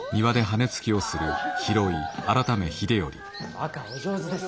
若お上手です。